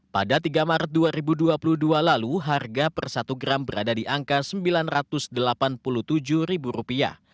pada tiga maret dua ribu dua puluh dua lalu harga per satu gram berada di angka rp sembilan ratus delapan puluh tujuh